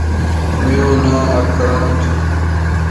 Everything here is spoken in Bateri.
میوں ناں اکرم تھو